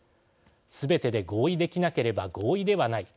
すべてで合意できなければ合意ではない。